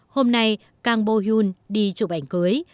hôm nay kang bo hyun đi chụp ảnh cưới